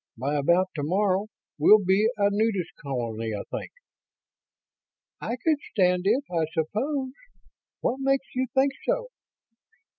By about tomorrow, we'll be a nudist colony, I think." "I could stand it, I suppose. What makes you think so?"